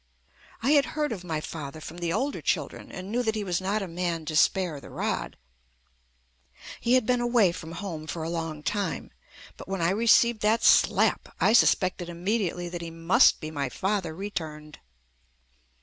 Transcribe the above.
I had heard of my father from the older children and knew that he was not a man to spare the rod. He had been away from home for a long time, but when I received that slap, I suspected immediately that he must be my father returned.